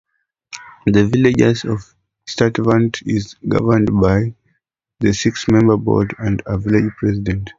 The Village of Sturtevant is governed by a six-member board and a village president.